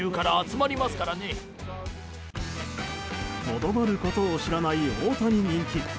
とどまることを知らない大谷人気。